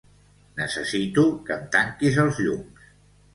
Necessito que em tanquis els llums.